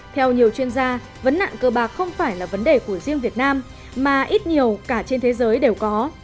theo nhiều chuyên gia vấn nạn cơ bạc không phải là vấn đề của riêng việt nam mà ít nhiều cả trên thế giới đều có